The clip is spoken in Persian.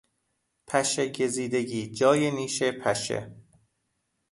پشه گزیدگی، جای نیش پشه